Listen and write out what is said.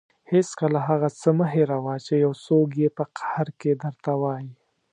هېڅکله هغه څه مه هېروه چې یو څوک یې په قهر کې درته وايي.